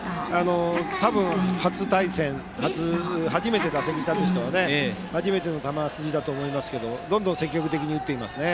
多分、初対戦初めて打席に立つ人は初めての球筋だと思いますけどどんどん積極的に打っていますね。